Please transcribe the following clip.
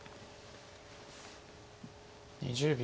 ２０秒。